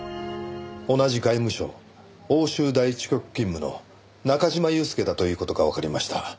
同じ外務省欧州第一局勤務の中嶋祐介だという事がわかりました。